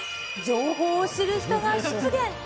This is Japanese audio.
情報を知る人が出現。